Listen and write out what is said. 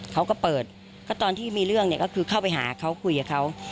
เขาก็เปิดก็ตอนที่มีเรื่องเนี่ยก็คือเข้าไปหาเขาคุยกับเขา